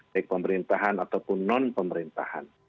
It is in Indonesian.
baik pemerintahan ataupun non pemerintahan